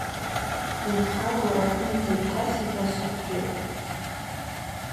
Ирхаго аԥынҵа иҭасит ашьа фҩы.